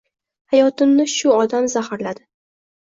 Hayotimni shu odam zaharladi